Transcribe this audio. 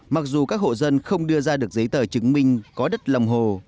mặc dù các hộ dân không đưa ra được giấy tờ chứng minh có đất lòng hồ